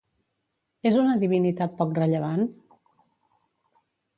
És una divinitat poc rellevant?